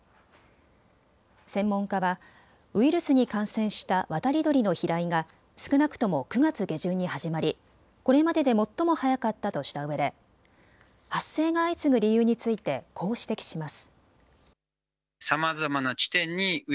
専門家はウイルスに感染した渡り鳥の飛来が少なくとも９月下旬に始まり、これまでで最も早かったとしたうえで発生が相次ぐ理由についてこう指摘します。